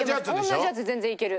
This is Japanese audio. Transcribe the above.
同じやつで全然いける。